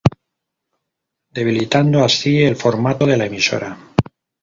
Debilitando así el formato de la emisora.